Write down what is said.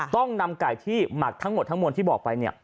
ต้องนำไก่ที่หมักทั้งหมดทั้งมวลที่บอกไป